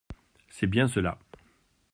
C’est bien cela.